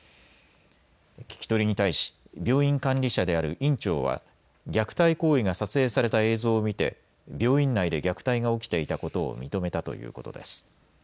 聞き取りに対し病院管理者である院長は虐待行為が撮影された映像を見て病院内で虐待が起きていたことを認めたということです。